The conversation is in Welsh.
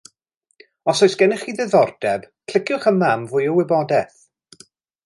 Os oes gennych chi ddiddordeb, cliciwch yma am fwy o wybodaeth